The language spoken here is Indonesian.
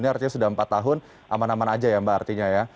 ini artinya sudah empat tahun aman aman aja ya mbak artinya ya